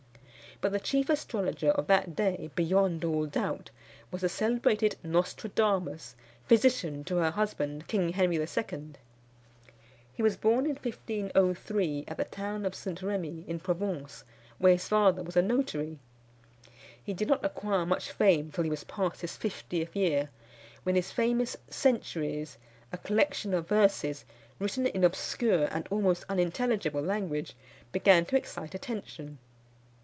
But the chief astrologer of that day, beyond all doubt, was the celebrated Nostradamus, physician to her husband, King Henry II. He was born in 1503 at the town of St. Remi, in Provence, where his father was a notary. He did not acquire much fame till he was past his fiftieth year, when his famous Centuries, a collection of verses, written in obscure and almost unintelligible language, began to excite attention.